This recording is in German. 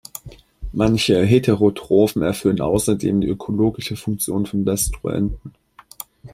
Manche Heterotrophen erfüllen außerdem die ökologische Funktion von Destruenten.